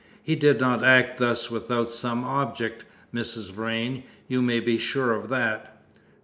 He did not act thus without some object, Mrs. Vrain, you may be sure of that."